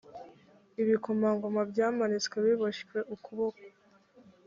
ibikomangoma byamanitswe biboshywe ukuboko